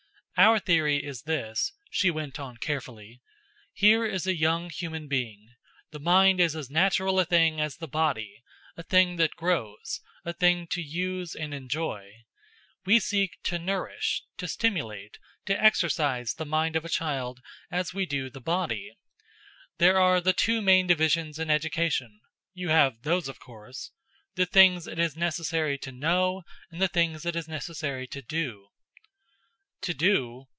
"Our theory is this," she went on carefully. "Here is a young human being. The mind is as natural a thing as the body, a thing that grows, a thing to use and enjoy. We seek to nourish, to stimulate, to exercise the mind of a child as we do the body. There are the two main divisions in education you have those of course? the things it is necessary to know, and the things it is necessary to do." "To do?